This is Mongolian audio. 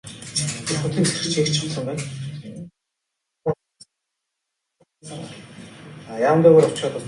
Эзэн хааны цэргийн нэг тушаалтан гэхэд даанч амархан баригдсан юм даа.